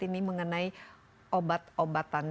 ini mengenai obat obatan